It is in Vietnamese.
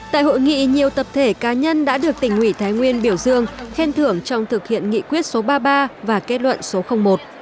tại hội nghị nhiều tập thể cá nhân đã được tỉnh ủy thái nguyên biểu dương khen thưởng trong thực hiện nghị quyết số ba mươi ba và kết luận số một